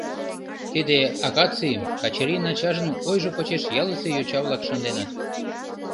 Тиде акацийым, Качырийын ачажын ойжо почеш ялысе йоча-влак шынденыт.